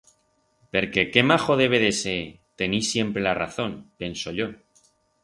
Perque qué majo debe de ser tenir siempre la razón, penso yo.